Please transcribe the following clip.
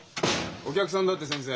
お客さんだって先生。